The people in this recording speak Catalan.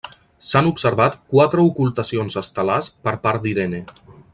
S'han observat quatre ocultacions estel·lars per part d'Irene.